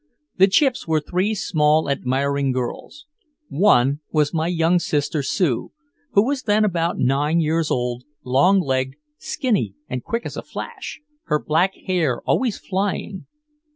"The Chips" were three small admiring girls. One was my young sister Sue, who was then about nine years old, long legged, skinny and quick as a flash, her black hair always flying.